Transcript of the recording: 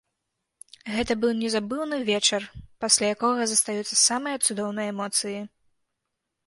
Гэта быў незабыўны вечар, пасля якога застаюцца самыя цудоўныя эмоцыі!